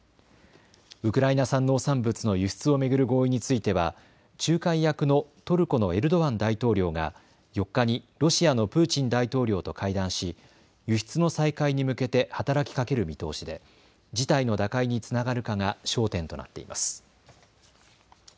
ウクライナ産農産物の輸出を巡る合意については仲介役のトルコのエルドアン大統領が４日にロシアのプーチン大統領と会談し輸出の再開に向けて働きかける見通しで事態の打開につながるかが焦点となっています。